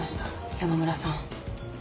山村さん。